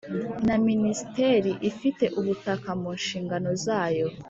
na Minisiteri ifite ubutaka mu nshingano zayo